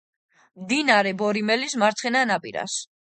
მდინარე ბორიმელის მარცხენა ნაპირას.